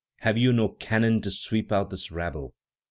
Have you no cannon to sweep out this rabble?"